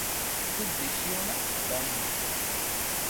খুব বেশিও না, কমও না।